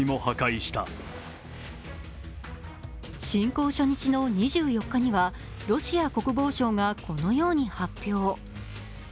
侵攻初日の２４日には、ロシア国防省がこのように発表。